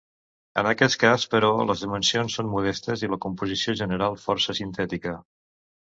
En aquest cas, però, les dimensions són modestes i la composició general força sintètica.